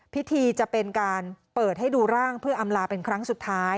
พิธีจะเป็นการเปิดให้ดูร่างเพื่ออำลาเป็นครั้งสุดท้าย